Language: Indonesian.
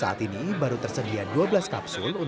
saat ini baru tersedia dua perusahaan kapsul bed